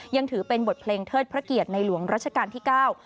ยังถือเป็นบทเพลงเทิดพระเกียรติในหลวงรัชกาลที่เก้า